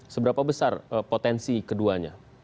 seberapa besar potensi keduanya